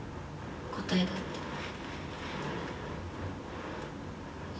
答えだった。